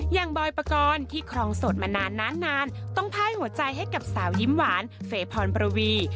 บอยปกรณ์ที่ครองโสดมานานต้องพ่ายหัวใจให้กับสาวยิ้มหวานเฟย์พรประวี